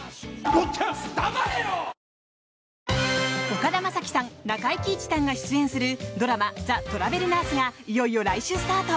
岡田将生さん、中井貴一さんが出演するドラマ「ザ・トラベルナース」がいよいよ来週スタート！